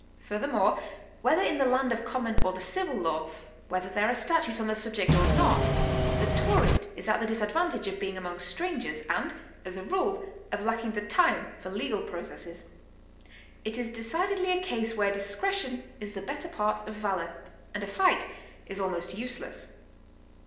Furthe'rmore, whether in the land of coirunon or the civil law, whether there are statiues on the subject or not, the tourist is at the disad \antage of being among strangers, and, as a rule, of lacking the time foi legal processes. It is decidedly a case where dis cretion is the better part of valor, and a fight is almost use less.